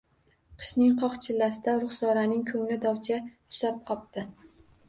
Qishning qoq chillasida Ruxsoraning ko`ngli dovuchcha tusab qopti